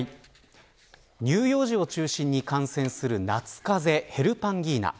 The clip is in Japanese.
乳幼児を中心に感染する夏かぜヘルパンギーナ。